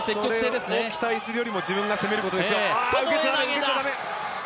それを期待するよりも自分が攻めるだけですよ。